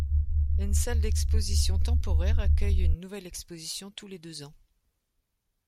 Une salle d'exposition temporaire accueillent une nouvelle exposition tous les deux ans.